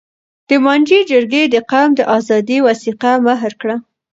د مانجې جرګې د قوم د آزادۍ وثیقه مهر کړه.